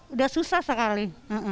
udah susah sekali